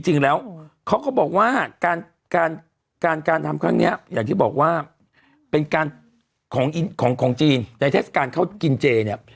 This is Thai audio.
จริงแล้วเขาก็บอกว่าการการทำครั้งนี้อย่างที่บอกว่าเป็นการของจีนในเทศกาลเข้ากินเจเนี่ย